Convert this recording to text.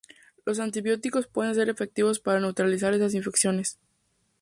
Los antibióticos pueden ser efectivos para neutralizar esas infecciones.